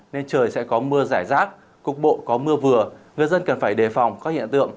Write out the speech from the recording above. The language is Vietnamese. nên trời sẽ có mưa rải rát cục bộ có mưa vừa người dân cần phải đề phóng các hiện tượng